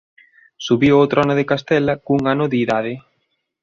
Subiu ó trono de Castela cun ano de idade.